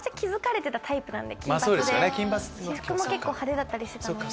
金髪で私服も結構派手だったりしてたので。